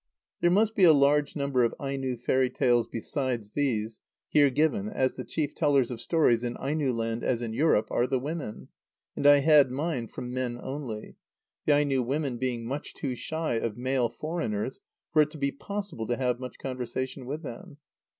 There must be a large number of Aino fairy tales besides those here given, as the chief tellers of stories, in Aino land as in Europe, are the women, and I had mine from men only, the Aino women being much too shy of male foreigners for it to be possible to have much conversation with them.